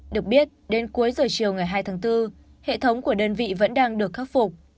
được biết đến cuối giờ chiều ngày hai tháng bốn hệ thống của đơn vị vẫn đang được khắc phục